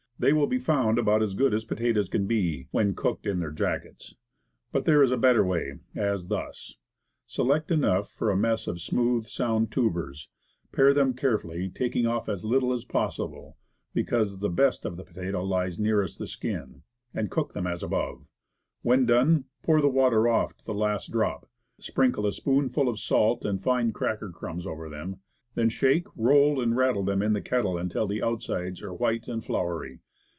They will be found about as good as potatoes can be, when cooked in their jackets. But there is a better way, as thus: Select enough for a mess, of smooth, sound tubers; pare them carefully, taking off as little as possible, because the best of the potato lies near est the skin, and cook as above. When done, pour the water off to the last drop; sprinkle a spoonful of salt and fine cracker crumbs over them; then shake, roll and rattle them in the kettle until the outsides are white and floury.